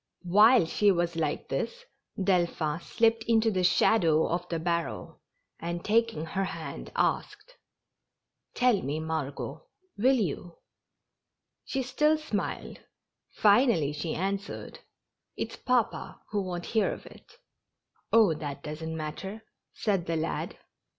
While she was like this Delphin slipped into the shadow of the barrel, and, taking her hand, asked :, 232 MORE JOLLIFICATION. " Tc I Margot, will you? '' She oUaa dmiled, finally she answered :" It's papa who won't hear of it." Oh, that doesn't matter," said the lad.